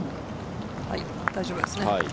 大丈夫ですね。